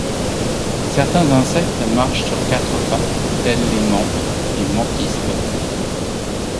Certains insectes marchent sur quatre pattes, tels les mantes, les mantispes.